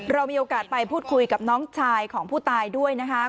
เรามีโอกาสไปพูดคุยกับน้องชายของผู้ตายด้วยนะคะ